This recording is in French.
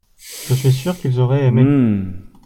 Je suis sûr qu’ils auraient aimé.